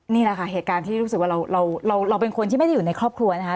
นี่แหละค่ะเหตุการณ์ที่รู้สึกว่าเราเป็นคนที่ไม่ได้อยู่ในครอบครัวนะคะ